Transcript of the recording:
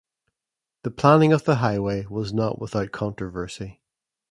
The planning of the highway was not without controversy.